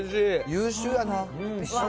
優秀やな。